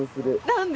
何で？